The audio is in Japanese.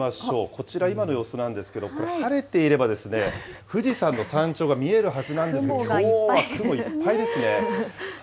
こちら、今の様子なんですけれども、これ、晴れていればですね、富士山の山頂が見えるはずなんですけれども、雲がいっぱい。